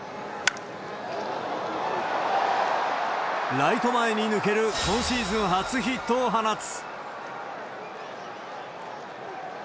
ライト前に抜ける今シーズン初ヒットを放つ。